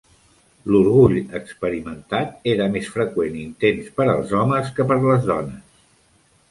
L'orgull experimentat era més freqüent i intens per als homes que per a les dones.